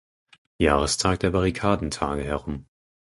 Jahrestag der Barrikadentage herum.